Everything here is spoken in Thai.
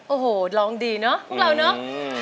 โอ้โหร้องดีเนอะพวกเราเนอะ